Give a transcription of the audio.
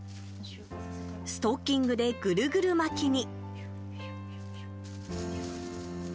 ストッキングでぐるぐる巻きに。